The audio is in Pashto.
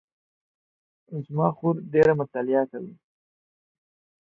زما خور ډېره مطالعه کوي